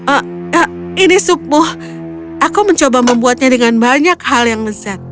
ah ini supmu aku mencoba membuatnya dengan banyak hal yang nesat